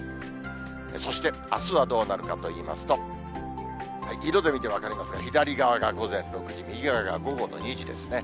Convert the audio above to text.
そして、あすはどうなるかといいますと、色で見て分かりますが、左側が午前６時、右側が午後の２時ですね。